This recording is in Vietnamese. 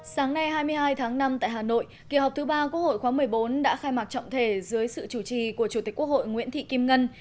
sáng nay hai mươi hai tháng năm tại hà nội kỳ họp thứ ba quốc hội khóa một mươi bốn đã khai mạc trọng thể dưới sự chủ trì của chủ tịch quốc hội nguyễn thị kim ngân